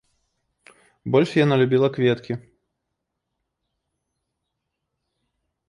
Больш яна любіла кветкі.